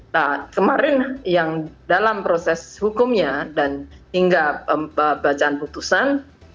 nah kemarin yang dalam proses hukumnya dan hingga pembacaan putusan